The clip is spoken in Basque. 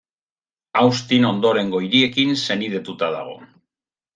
Austin ondorengo hiriekin senidetuta dago.